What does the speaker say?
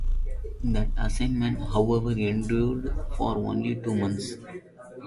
That assignment, however, endured for only two months.